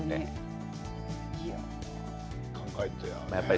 考えてね。